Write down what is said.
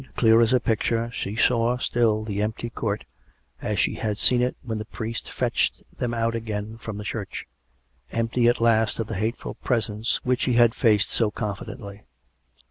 clear as a picture, she saw still the empty court, as she had seen it when the priest fetched them out again from the church — empty at last of the hateful presence which he had faced so confidently.